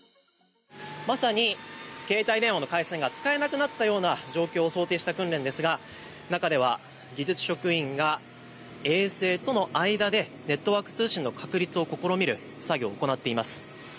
まさに携帯電話の通信回線が使えなくなったような状況を想定した訓練ですが中では技術職員が衛星との間でネットワーク通信の確立を試みる作業を行っています。